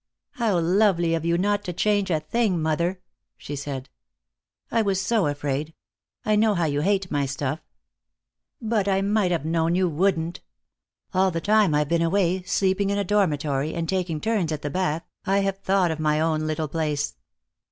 "How lovely of you not to change a thing, mother!" she said. "I was so afraid I know how you hate my stuff. But I might have known you wouldn't. All the time I've been away, sleeping in a dormitory, and taking turns at the bath, I have thought of my own little place."